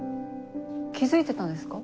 気付いてたんですか？